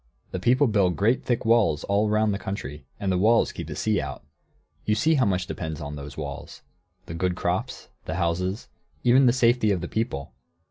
The people build great, thick walls all round the country, and the walls keep the sea out. You see how much depends on those walls, the good crops, the houses, and even the safety of the people.